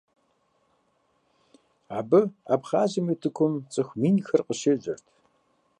Абы Абхъазым и утыкум цӏыху минхэр къыщежьэрт.